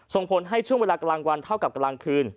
ส่งผลให้ช่วงเวลากลางวันเท่ากับกลางคืน